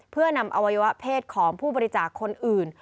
เพื่อนำอวัยวะเพศของผู้บริจาคคนอื่น